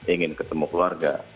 ingin ketemu keluarga